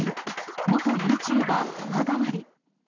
元ユーチューバー、様変わり。